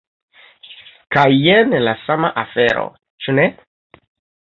Kaj jen la sama afero, ĉu ne?